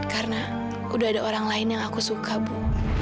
karena udah ada orang lain yang aku suka bu